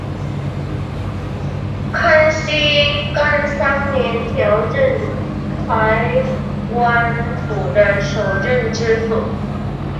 康熙廿三年调任台湾府的首任知府。